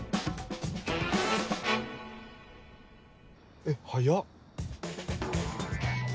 えっ早っ！